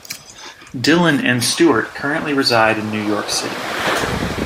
Dillon and Stuart currently reside in New York City.